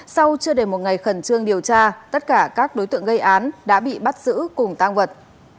sau chưa đầy một ngày khẩn trương điều tra tất cả các đối tượng gây án đã bị bắt giữ cùng tăng vật